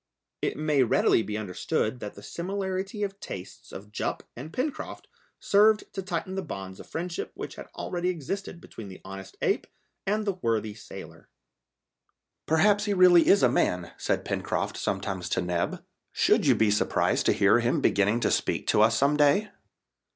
It may readily be understood that this similarity of tastes of Jup and Pencroft served to tighten the bonds of friendship which already existed between the honest ape and the worthy sailor. "Perhaps he is really a man," said Pencroft sometimes to Neb. "Should you be surprised to hear him beginning to speak to us some day?"